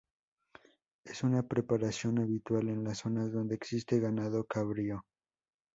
Es una preparación habitual en las zonas donde existe ganado cabrío.